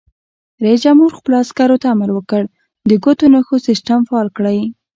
رئیس جمهور خپلو عسکرو ته امر وکړ؛ د ګوتو نښو سیسټم فعال کړئ!